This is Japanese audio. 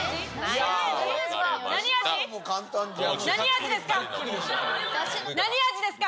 さあ、何味ですか？